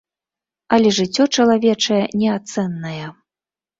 Але жыццё чалавечае неацэннае.